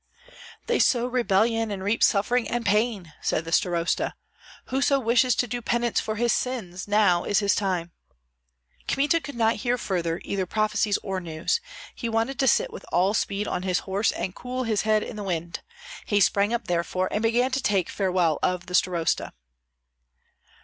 "They sow rebellion and reap suffering and pain," said the starosta. "Whoso wishes to do penance for his sins, now is his time!" Kmita could not hear further either prophecies or news; he wanted to sit with all speed on his horse and cool his head in the wind. He sprang up therefore, and began to take farewell of the starosta.